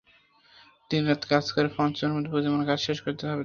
দিন-রাত কাজ করে পঞ্চমীর মধ্যে প্রতিমার কাজ শেষ করতে হবে তাঁকে।